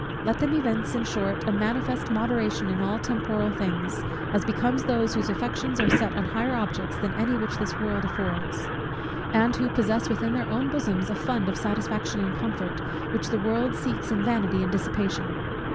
Let them evince, in short, a manifest moderation in all temporal things; as becomes those whose affections are set on higher objects than any which this world affords, and who possess, within their own bosoms, a fund of satisfaction and comfort, which the world seeks in vanity and dissipation.